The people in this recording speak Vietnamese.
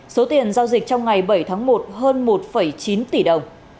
số tiền giao dịch trong ngày bảy tháng một hơn một chín tỷ đồng